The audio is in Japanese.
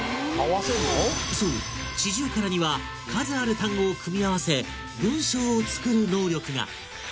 そうシジュウカラには数ある単語を組み合わせ「文章」を作る能力が！